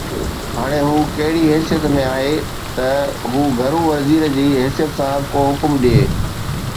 هاڻي هو ڪهڙي حيثيت ۾ آهي ته هو گهرو وزير جي حيثيت سان ڪو حڪم ڏئي